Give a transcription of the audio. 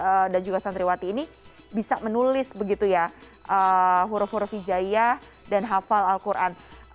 jadi kita bisa mengajarkan huruf huruf alfabet ini dan juga santriwati ini bisa menulis begitu ya huruf huruf hijaiyah dan hafal al quran